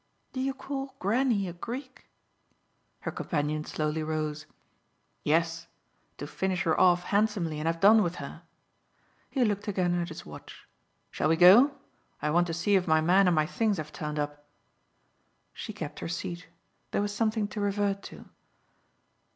"Do you call Granny a Greek?" Her companion slowly rose. "Yes to finish her off handsomely and have done with her." He looked again at his watch. "Shall we go? I want to see if my man and my things have turned up." She kept her seat; there was something to revert to.